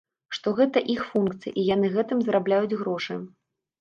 Што гэта іх функцыя і яны гэтым зарабляюць грошы.